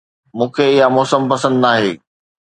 مون کي اها موسم پسند ناهي